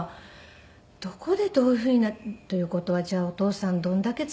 どこでどういうふうにという事はじゃあお父さんどれだけつらかったんだろう？